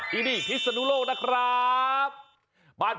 ที่นี่พิศนุโลกนะครับ